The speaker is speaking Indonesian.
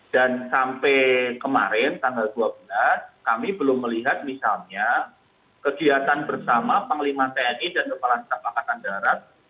dan sampai kemarin tanggal dua belas kami belum melihat misalnya kegiatan bersama panglima tni dan kepala kepala pakatan darat